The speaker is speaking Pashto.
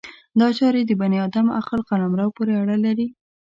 دا چارې د بني ادم عقل قلمرو پورې اړه لري.